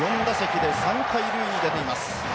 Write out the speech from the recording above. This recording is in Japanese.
４打席で３回塁に出ています